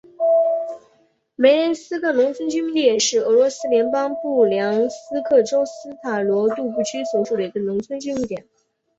梅连斯克农村居民点是俄罗斯联邦布良斯克州斯塔罗杜布区所属的一个农村居民点。